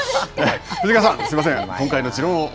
藤川さん、すいません、今回の自